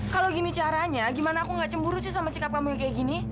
kalau gini caranya gimana aku gak cemburu sih sama sikap kamu yang kayak gini